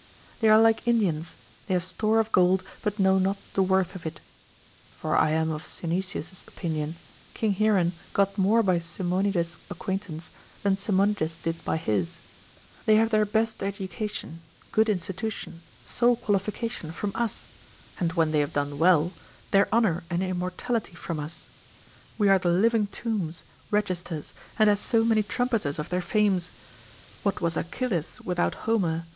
They are like Indians, they have store of gold, but know not the worth of it: for I am of Synesius's opinion, King Hieron got more by Simonides' acquaintance, than Simonides did by his; they have their best education, good institution, sole qualification from us, and when they have done well, their honour and immortality from us: we are the living tombs, registers, and as so many trumpeters of their fames: what was Achilles without Homer?